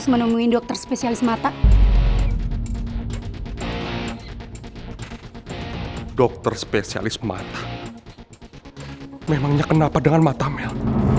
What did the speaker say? memangnya kenapa dengan mata mel